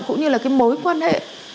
cũng như là cái mối quan hệ